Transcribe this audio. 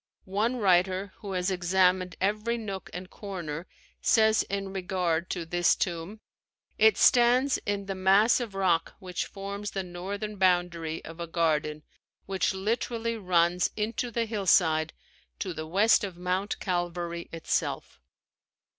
One writer who has examined every nook and corner says in regard to this tomb: "It stands in the mass of rock which forms the northern boundary of a garden which literally runs into the hillside to the west of Mount Calvary itself."